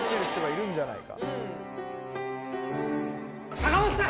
・坂本さん！